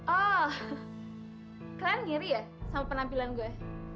oh kalian ngiri ya sama penampilan gue